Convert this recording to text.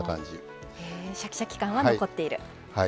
シャキシャキ感は残っている。